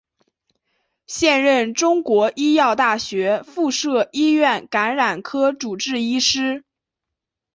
现任中国医药大学附设医院感染科主治医师。